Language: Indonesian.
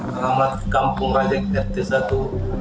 selamat kampung raja kertesatu